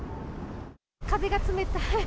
風が冷たい。